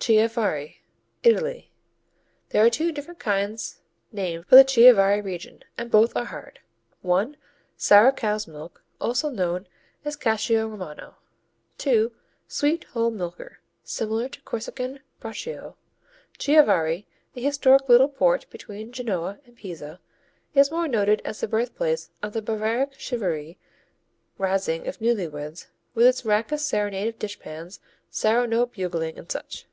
Chiavari Italy There are two different kinds named for the Chiavari region, and both are hard: I. Sour cow's milk, also known as Cacio Romano. II. Sweet whole milker, similar to Corsican Broccio. Chiavari, the historic little port between Genoa and Pisa, is more noted as the birthplace of the barbaric "chivaree" razzing of newlyweds with its raucous serenade of dishpans, sour note bugling and such.